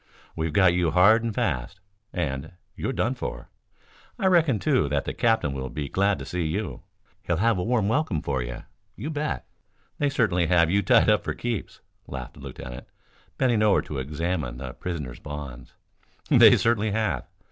We've got you hard and fast, and you're done for. I reckon, too, that the captain will be glad to see you. He'll have a warm welcome for you, you bet. They certainly have you tied up for keeps," laughed the lieutenant, bending over to examine the prisoner's bonds. "They certainly have.